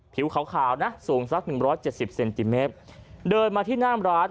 ผิวขาวนะสูงสัก๑๗๐เซนติเมตรเดินมาที่หน้าร้าน